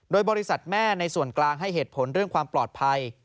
โดยบริษัทแม่ในส่วนกลางให้เหตุผลเรื่องความปลอดภัย